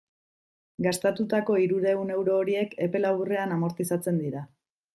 Gastatutako hirurehun euro horiek epe laburrean amortizatzen dira.